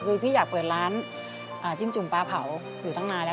คือพี่อยากเปิดร้านจิ้มจุ่มปลาเผาอยู่ตั้งนานแล้ว